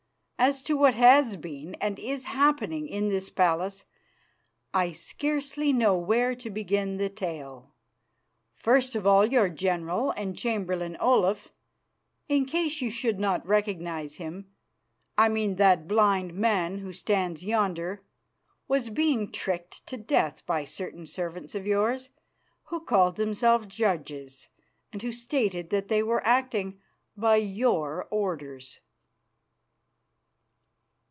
As to what has been and is happening in this palace, I scarcely know where to begin the tale. First of all your general and chamberlain Olaf in case you should not recognise him, I mean that blind man who stands yonder was being tricked to death by certain servants of yours who called themselves judges, and who stated that they were acting by your orders."